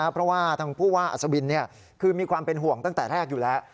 เพราะว่าทางผู้ว่าอัศวินคือมีความเป็นห่วงตั้งแต่แรกอยู่แล้ว